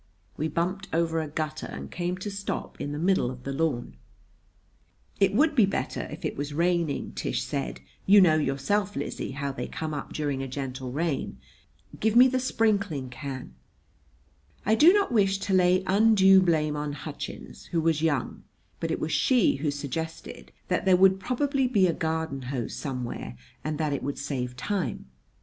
We bumped over a gutter and came to a stop in the middle of the lawn. "It would be better if it was raining," Tish said. "You know, yourself, Lizzie, how they come up during a gentle rain. Give me the sprinkling can." I do not wish to lay undue blame on Hutchins, who was young; but it was she who suggested that there would probably be a garden hose somewhere and that it would save time.